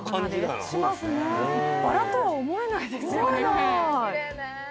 バラとは思えないですよね。